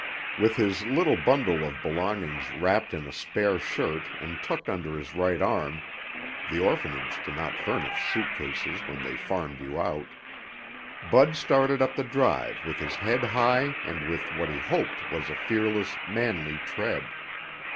With his little bundle of belongings wrapped in a spare shirt and tucked under his right arm the orphanage did not furnish suitcases when they farmed you out Bud started up the drive with his head high and with what he hoped was a fearless, manly tread.